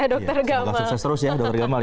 semoga sukses terus ya